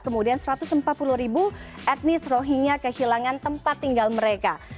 kemudian satu ratus empat puluh ribu etnis rohingya kehilangan tempat tinggal mereka